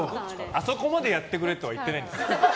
あそこまでやってくれとは言ってないです。